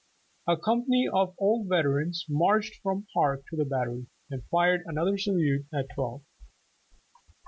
A company of old veterans marched from the Park to the Battery, and fired another salute at twelve.